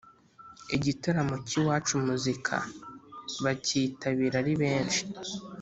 Igitaramo cya iwacu muzika bakitabira ari benshi